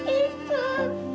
enggak mau diiket